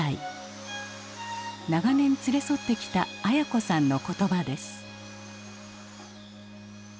長年連れ添ってきた綾子さんの言葉です。